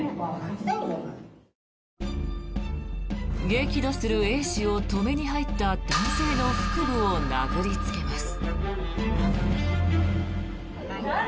激怒するＡ氏を止めに入った男性の腹部を殴りつけます。